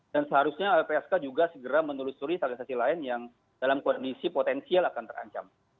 dan seharusnya lpsk juga segera menelusuri saksi saksi lain yang dalam kondisi potensial akan terancam